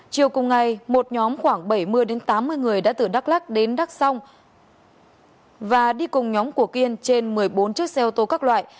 chiều cùng ngày một nhóm khoảng bảy mươi tám mươi người đã từ đắk lắc đến đắk xong và đi cùng nhóm của kiên trên một mươi bốn chiếc xe ô tô các loại